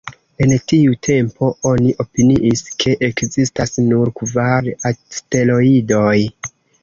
En tiu tempo, oni opiniis ke ekzistas nur kvar asteroidoj.